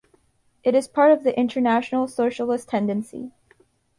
It is part of the International Socialist Tendency.